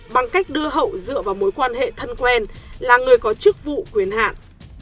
bằng cách đưa hậu dựa vào mối quan hệ thân quen là người có chức vụ quyền hạn